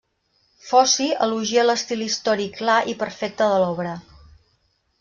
Foci elogia l'estil històric clar i perfecte de l'obra.